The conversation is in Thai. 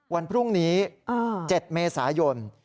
วันพรุ่งนี้๗เมษายน